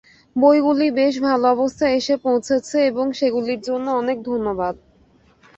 বইগুলি বেশ ভাল অবস্থায় এসে পৌঁছেছে এবং সেগুলির জন্য অনেক ধন্যবাদ।